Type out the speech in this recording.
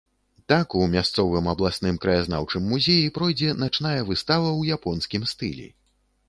Так, у мясцовым абласным краязнаўчым музеі пройдзе начная выстава ў японскім стылі.